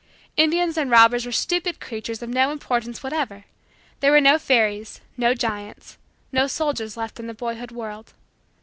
Indians and robbers were stupid creatures of no importance whatever. There were no fairies, no giants, no soldiers left in the boyhood world.